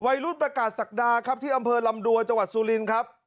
ประกาศศักดาครับที่อำเภอลำดัวจังหวัดสุรินครับ